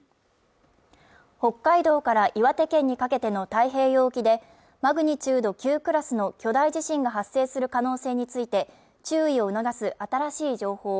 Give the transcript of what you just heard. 北海道から岩手県にかけての太平洋沖でマグニチュード９クラスの超巨大地震が発生する可能性について注意を促す新しい情報